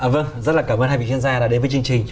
vâng rất là cảm ơn hai vị chuyên gia đã đến với chương trình